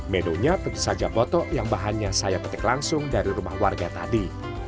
menunya tentu saja botok yang bahannya saya petik langsung dari rumah warga tadi